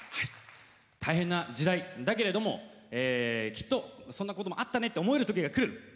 大変な時代だけれどもきっと、そんなこともあったねって思うときがくる。